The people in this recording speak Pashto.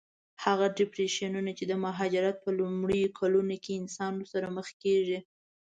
هغه ډېپریشنونه چې د مهاجرت په لومړیو کلونو کې انسان ورسره مخ کېږي.